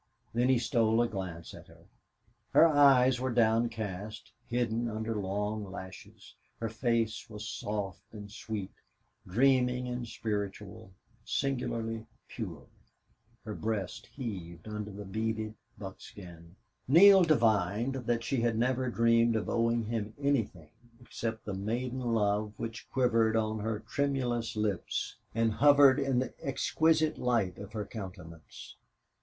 Then he stole a glance at her. Her eyes were downcast, hidden under long lashes; her face was soft and sweet, dreaming and spiritual, singularly pure; her breast heaved under the beaded buckskin. Neale divined she had never dreamed of owing him anything except the maiden love which quivered on her tremulous lips and hovered in the exquisite light of her countenance.